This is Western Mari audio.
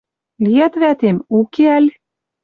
Лиӓт вӓтем, уке ӓль?